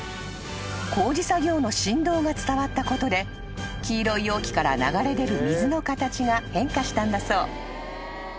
［工事作業の振動が伝わったことで黄色い容器から流れ出る水の形が変化したんだそう］